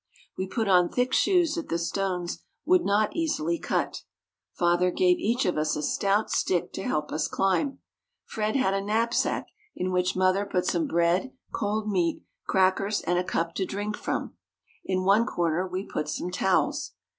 We put on thick shoes that the stones would not easily cut. Father gave each of us a stout stick to help us climb. Fred had a knapsack, in which mother put some bread, cold meat, crackers, and a cup to drink from. In one corner we put some towels.